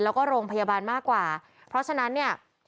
แล้วก็โรงพยาบาลมากกว่าเพราะฉะนั้นเนี่ย